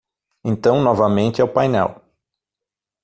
Então, novamente, é o painel